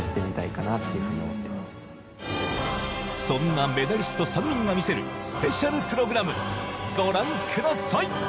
そんなメダリスト３人が見せるスペシャルプログラムご覧ください！